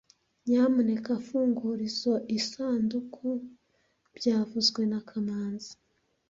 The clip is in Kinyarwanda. Nyamuneka fungura izoi sanduku byavuzwe na kamanzi